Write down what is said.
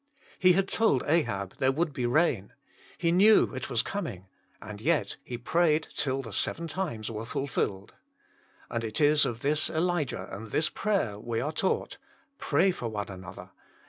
He had told Ahab there would be rain ; he knew it was coming ; and yet he prayed till the seven times were fulfilled. And it is of this Elijah and this prayer we are taught, " Pray for one another.